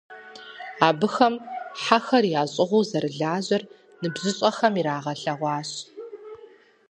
Абыхэм хьэхэр ящӀыгъуу зэрылажьэр ныбжьыщӀэхэм ирагъэлъэгъуащ.